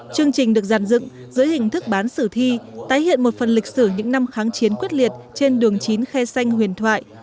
chương trình được giàn dựng dưới hình thức bán sử thi tái hiện một phần lịch sử những năm kháng chiến quyết liệt trên đường chín khe xanh huyền thoại